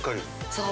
◆そう！